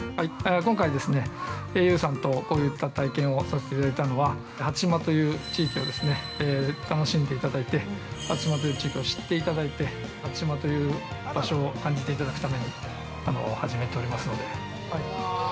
◆今回ですね、ａｕさんとこういった体験をさせていただいたのは初島という地域を楽しんでいただいて初島という地域を知っていただいて初島という場所を感じていただくために始めておりますので。